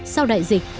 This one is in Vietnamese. sau đại dịch